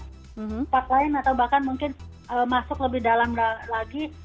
tempat lain atau bahkan mungkin masuk lebih dalam lagi